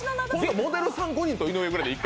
モデルさん５人と井上ぐらいで１回。